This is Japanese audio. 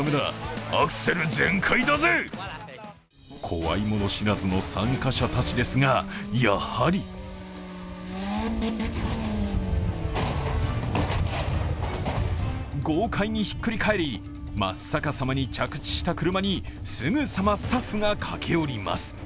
怖いもの知らずの参加者たちですが、やはり豪快にひっくり返り真っ逆さまに着地した車にすぐさまスタッフが駆け寄ります。